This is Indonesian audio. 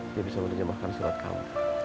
dia bisa menerjemahkan surat kamu